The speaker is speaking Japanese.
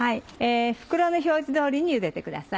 袋の表示通りにゆでてください。